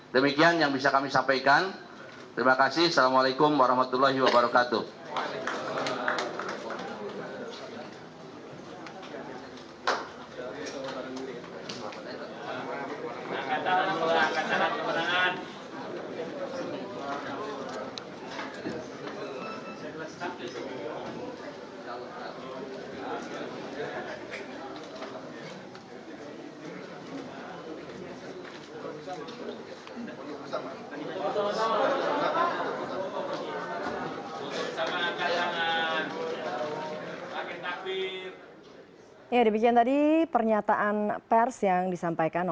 demikian yang bisa kami sampaikan